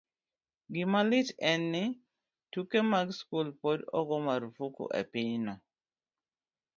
Gima lit en ni, tuke mag skul pod ogo marfuk e pinyno.